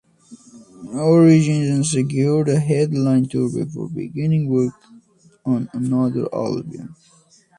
Origin then secured a headline tour before beginning work on another album.